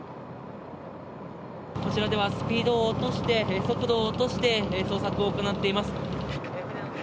こちらではスピードを落として捜索を行っています。